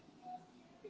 sukses terus ya